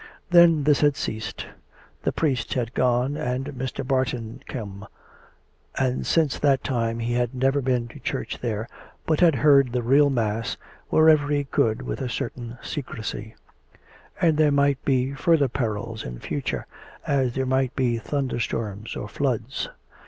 Then this had ceased; the priest had gone and Mr. Barton come, and since that time he had never been to church there, but had heard the real mass wherever he could with a certain s'ecrecy. And there might be further perils in future, as there might be thunderstorms or floods.